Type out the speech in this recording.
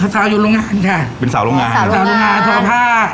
สาวอยู่โรงงานค่ะเป็นสาวโรงงานสาวโรงงานสุขภาพ